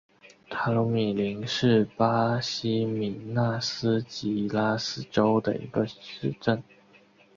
塔鲁米林是巴西米纳斯吉拉斯州的一个市镇。